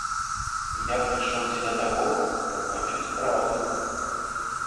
Я прыйшоў дзеля таго, каб пачуць праўду.